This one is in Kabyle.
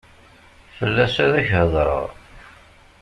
Fell-as ad ak-hedreɣ.